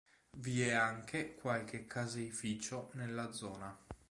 Vi è anche qualche caseificio nella zona.